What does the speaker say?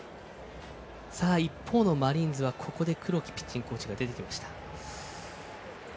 一方のマリーンズはここで黒木ピッチングコーチが出てきました。